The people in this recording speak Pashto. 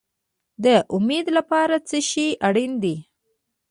د امید لپاره څه شی اړین دی؟